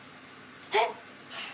えっ！